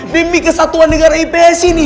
demi kesatuan negara ips ini